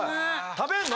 食べんの！？